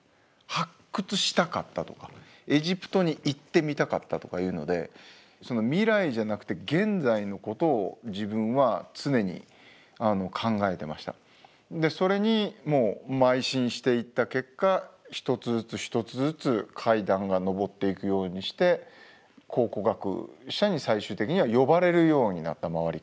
発掘したかったとかエジプトに行ってみたかったとかいうのでそれにまい進していった結果一つずつ一つずつ階段が上っていくようにして考古学者に最終的には呼ばれるようになった周りから。